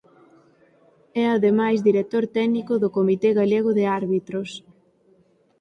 É ademais director técnico do Comité Galego de Árbitros.